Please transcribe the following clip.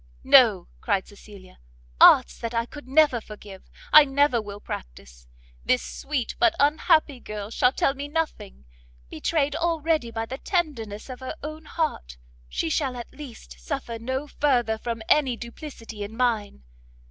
"No," cried Cecilia, "arts that I could never forgive, I never will practice; this sweet, but unhappy girl shall tell me nothing; betrayed already by the tenderness of her own heart, she shall at least suffer no further from any duplicity in mine.